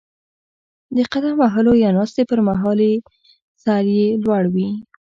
د قدم وهلو یا ناستې پر مهال سر یې لوړ وي.